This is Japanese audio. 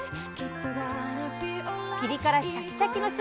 ピリ辛シャキシャキの島